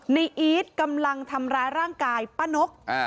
อีทกำลังทำร้ายร่างกายป้านก